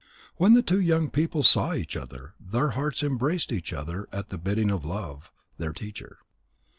When the two young people saw each other, their hearts embraced each other at the bidding of Love, their teacher.